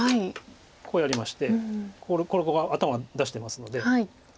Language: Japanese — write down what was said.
こうやりましてここが頭出してますので。